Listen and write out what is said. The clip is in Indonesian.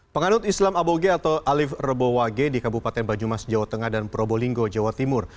panganut islam aboge atau alif rebo wage di kabupaten bajumas jawa tengah dan probolinggo jawa timur